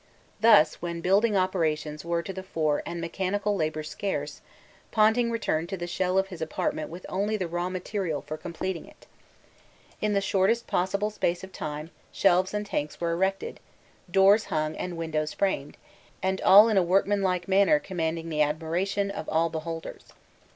Thus, when building operations were to the fore and mechanical labour scarce, Ponting returned to the shell of his apartment with only the raw material for completing it. In the shortest possible space of time shelves and tanks were erected, doors hung and windows framed, and all in a workmanlike manner commanding the admiration of all beholders.